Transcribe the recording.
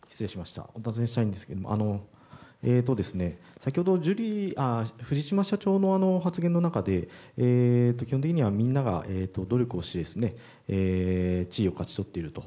先ほど、藤島社長の発言の中で基本的にはみんなが努力をして知恵を勝ち取っていると。